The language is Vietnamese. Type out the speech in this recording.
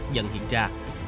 dần hiện ra